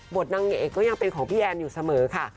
นางเอกก็ยังเป็นของพี่แอนอยู่เสมอค่ะ